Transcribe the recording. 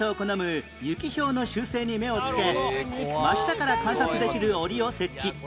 ユキヒョウの習性に目をつけ真下から観察できる檻を設置